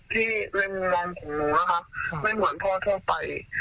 ในมุมมองของหนูนะคะไม่เหมือนพ่อทั่วไป